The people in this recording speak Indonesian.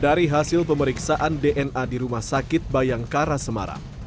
dari hasil pemeriksaan dna di rumah sakit bayangkara semarang